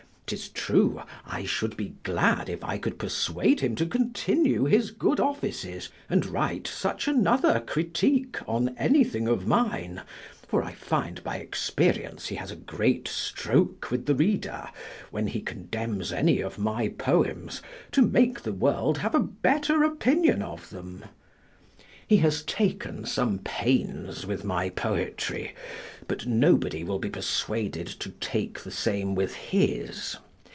'T is true, I should be glad if I could persuade him to continue his good offices, and write such another critique on anything of mine for I find by experience he has a great stroke with the reader, when he condemns any of my poems, to make the world have a better opinion of them. He has taken some pains with my poetry, but nobody will be persuaded to take the same with his.